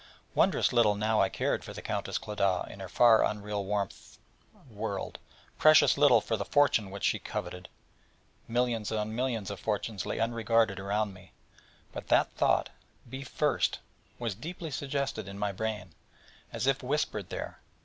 Wondrous little now cared I for the Countess Clodagh in her far unreal world of warmth precious little for the fortune which she coveted: millions on millions of fortunes lay unregarded around me. But that thought, Be first! was deeply suggested in my brain, as if whispered there.